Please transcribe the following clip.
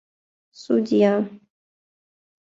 Судья.